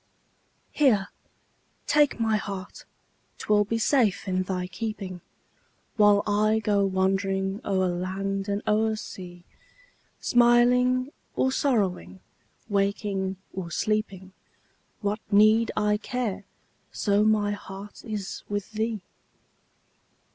Here, take my heart 'twill be safe in thy keeping, While I go wandering o'er land and o'er sea; Smiling or sorrowing, waking or sleeping, What need I care, so my heart is with thee?